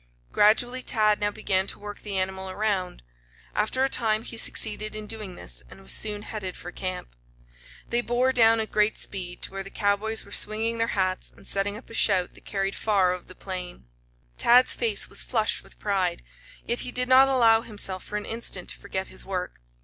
Gradually Tad now began to work the animal around. After a time he succeeded in doing this, and was soon headed for camp. They bore down, at great speed, to where the cowboys were swinging their hats and setting up a shout that carried far over the plain. Tad's face was flushed with pride. Yet he did not allow himself for an instant to forget his work.